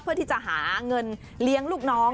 เพื่อที่จะหาเงินเลี้ยงลูกน้อง